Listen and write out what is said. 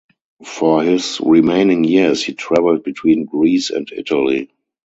For his remaining years he travelled between Greece and Italy.